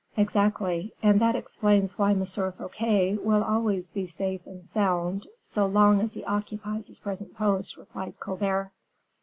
"Exactly; and that explains why M. Fouquet will be always safe and sound, so long as he occupies his present post," replied Colbert.